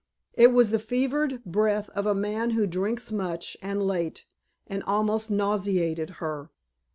It was the fevered breath of a man who drinks much and late and almost nauseated her.